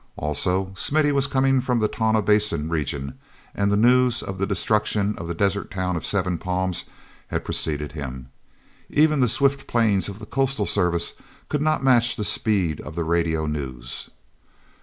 Also, Smithy was coming from the Tonah Basin region, and the news of the destruction of the desert town of Seven Palms had preceded him. Even the swift planes of the Coastal Service could not match the speed of the radio news.